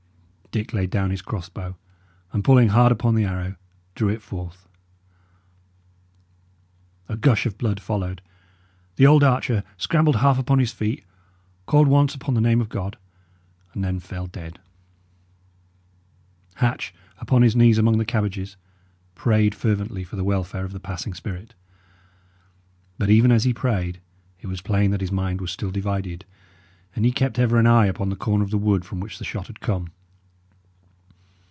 Dick laid down his cross bow, and pulling hard upon the arrow, drew it forth. A gush of blood followed; the old archer scrambled half upon his feet, called once upon the name of God, and then fell dead. Hatch, upon his knees among the cabbages, prayed fervently for the welfare of the passing spirit. But even as he prayed, it was plain that his mind was still divided, and he kept ever an eye upon the corner of the wood from which the shot had come.